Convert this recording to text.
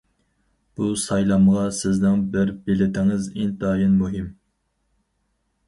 بۇ سايلامغا سىزنىڭ بىر بېلىتىڭىز ئىنتايىن مۇھىم.